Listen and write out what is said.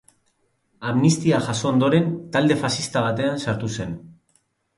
Amnistia jaso ondoren, talde faxista batean sartu zen.